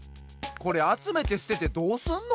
これあつめてすててどうすんの？